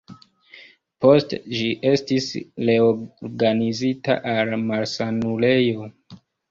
Poste ĝi estis reorganizita al malsanulejo.